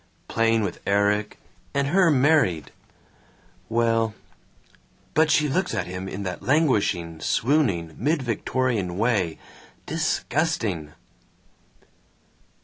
Playing with Erik, and her married Well But she looks at him in that languishing, swooning, mid Victorian way. Disgusting!"